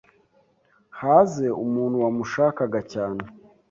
haze umuntu wamushakaga cyane